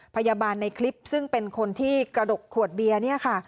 พยาบาลในคลิปซึ่งเป็นคนที่กระดกขวดเบียร์เนี่ยค่ะ